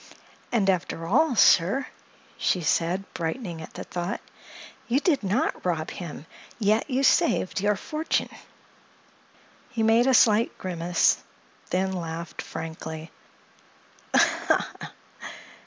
"And, after all, sir," she said, brightening at the thought, "you did not rob him! Yet you saved your fortune." He made a slight grimace, and then laughed frankly.